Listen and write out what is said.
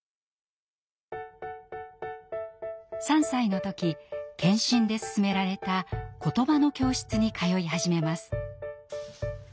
３歳の時検診で勧められた「ことばの教室」に通い始めます。